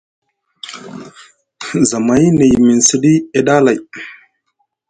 Zamay nʼe yimiŋ siɗi e ɗa lay.